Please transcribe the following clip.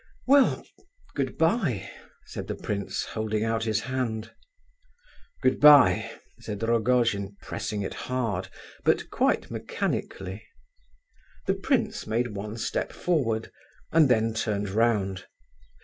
"Well, good bye!" said the prince, holding out his hand. "Good bye," said Rogojin, pressing it hard, but quite mechanically. The prince made one step forward, and then turned round.